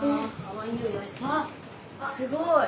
わあっすごい！